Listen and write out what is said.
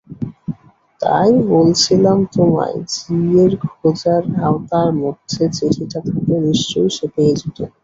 তাই বলছিলাম তোমায়, জি-এর খোঁজার আওতার মধ্যে চিঠিটা থাকলে নিশ্চয়ই সে পেয়ে যেত।